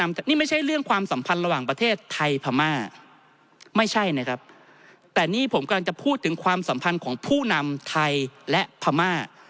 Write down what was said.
ไม่ใช่นะครับแต่นี่ผมกำลังจะพูดถึงความสัมพันธ์ของผู้นำไทยและพม่า